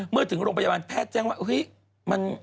เมื่อถึงโรงพยาบาลแพทย์แจ้งว่า